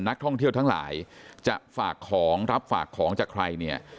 นักท่องเที่ยวทั้งหลายจะฝากของรับฝากของจากใครเนี่ย